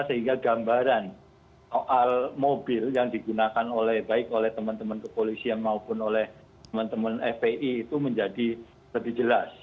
sehingga gambaran soal mobil yang digunakan oleh baik oleh teman teman kepolisian maupun oleh teman teman fpi itu menjadi lebih jelas